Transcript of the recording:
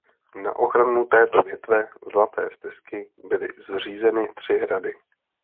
Na ochranu této větve Zlaté stezky byly zřízeny tři hrady.